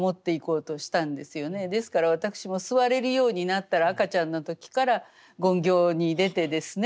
ですから私も座れるようになったら赤ちゃんの時から勤行に出てですね